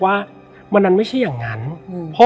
และวันนี้แขกรับเชิญที่จะมาเชิญที่เรา